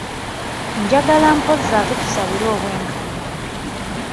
Njagala mpozzi ate tusabire obwenkanya.